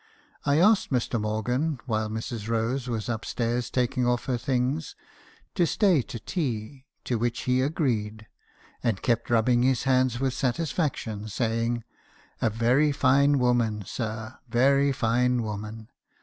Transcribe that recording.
I asked Mr. Morgan, while Mrs. Rose was up stairs taking off her things, to stay to tea; to which he agreed, and kept rubbing his hands with satisfaction , saying — "'Very fine woman, sir; very fine woman!